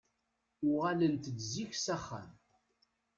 Uɣalent-d zik s axxam.